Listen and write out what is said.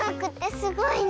すごいね！